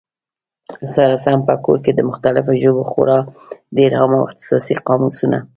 سره سم په کور کي، د مختلفو ژبو خورا ډېر عام او اختصاصي قاموسونه